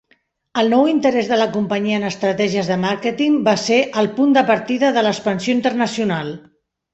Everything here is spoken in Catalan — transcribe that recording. El nou interès de la companyia en estratègies de màrqueting va ser el punt de partida de l'expansió internacional.